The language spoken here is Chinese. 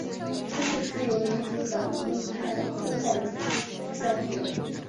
他是自由民主党町村派的要角。